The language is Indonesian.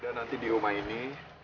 dan nanti di rumah ini